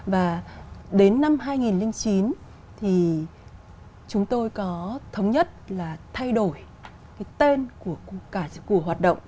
và đến năm hai nghìn chín thì chúng tôi có thống nhất là thay đổi cái tên của hoạt động